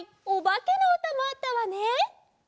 おばけのうたもあったわね。